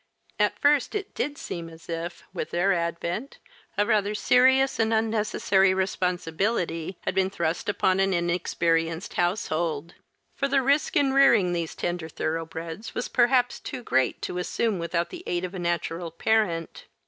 At first it did seem as if, with their advent, a rather serious and unnecessary responsibility had been thrust upon an inexperienced household, for the risk in rearing these tender thoroughbreds was perhaps too great to assume without the aid of a natural parent.